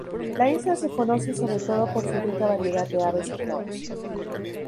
La isla se conoce sobre todo por su rica variedad de aves y flora.